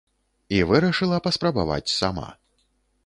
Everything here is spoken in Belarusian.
І вырашыла паспрабаваць сама.